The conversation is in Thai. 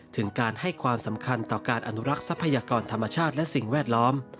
ถึงการให้ความสำคัญต่อการอนุรักษ์ทรัพยากรธรรมชาติและสิ่งแวดล้อม